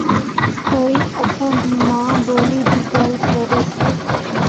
کوئی اساں دی ماں بولی دی گل کرے۔